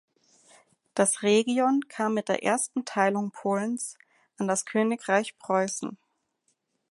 Das Region kam mit der Ersten Teilung Polens an das Königreich Preußen.